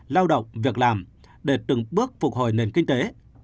lao động việc làm để từng bước phục hồi nền kinh tế